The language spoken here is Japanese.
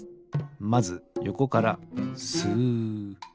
まずよこからすっ。